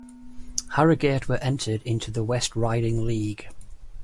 Harrogate were entered into the West Riding League.